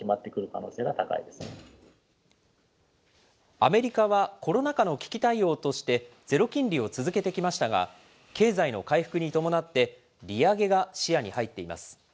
アメリカはコロナ禍の危機対応として、ゼロ金利を続けてきましたが、経済の回復に伴って、利上げが視野に入っています。